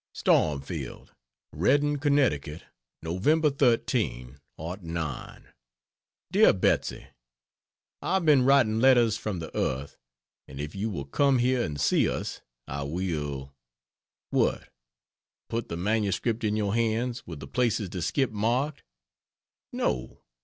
"STORMFIELD," REDDING, CONNECTICUT, Nov. 13, '09. DEAR BETSY, I've been writing "Letters from the Earth," and if you will come here and see us I will what? Put the MS in your hands, with the places to skip marked? No.